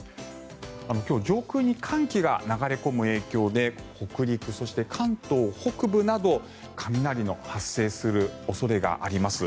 今日上空に寒気が流れ込む影響で北陸、そして関東北部など雷の発生する恐れがあります。